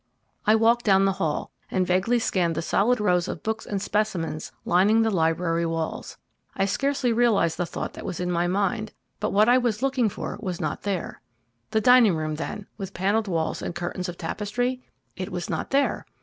I walked down the hall, and vaguely scanned the solid rows of books and specimens lining the library walls. I scarcely realized the thought that was in my mind, but what I was looking for was not there. The dining room then, with panelled walls and curtains of tapestry? It was not there!